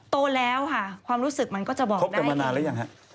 โตแล้วค่ะความรู้สึกมันก็จะบอกได้ครบเต็มมานานแล้วยังฮะ